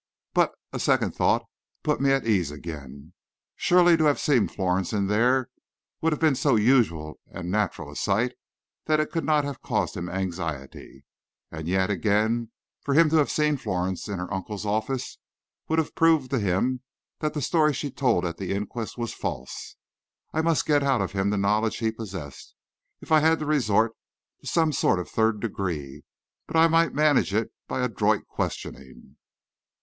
But a second thought put me at ease again. Surely to have seen Florence in there would have been so usual and natural a sight that it could not have caused him anxiety. And yet, again, for him to have seen Florence in her uncle's office, would have proved to him that the story she told at the inquest was false. I must get out of him the knowledge he possessed, if I had to resort to a sort of third degree. But I might manage it by adroit questioning.